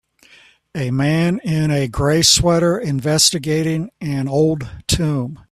A man in a gray sweater investigating an old tomb